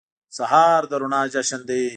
سهار د رڼا جشن دی.